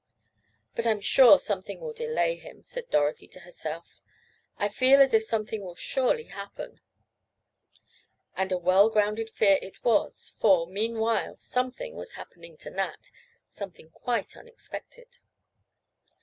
"But I'm sure something will delay him," said Dorothy to herself. "I feel as if something will surely happen!" And a well grounded fear it was for, meanwhile, something was happening to Nat—something quite unexpected.